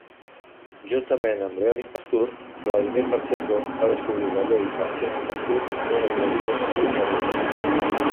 Juntament amb Leonid Pastur, Vladimir Marchenko va descobrir la llei Marchenko-Pastur en una teoria de matriu aleatòria.